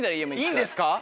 いいんですか？